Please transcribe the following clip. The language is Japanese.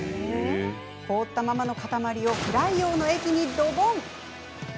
凍ったままの塊をフライ用の液にドボン！